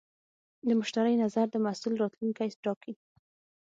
د مشتری نظر د محصول راتلونکی ټاکي.